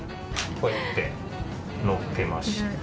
こうやってのっけました。